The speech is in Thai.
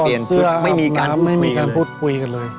ตอบเสื้ออาบน้ำไม่มีการพูดคุยกันเลย